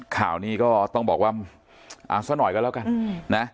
ข่าวนี้ก็ต้องบอกว่าเอาซะหน่อยก็แล้วกันนะ